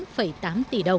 họ sẽ hỗ trợ bà con